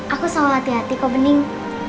aku selalu hati hati kok mending